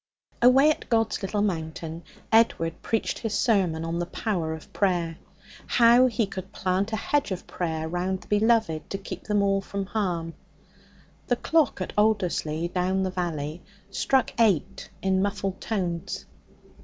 Away at God's Little Mountain Edward preached his sermon on the power of prayer how he could plant a hedge of prayer round the beloved to keep them from all harm. The clock at Alderslea down the valley struck eight in muffled tones.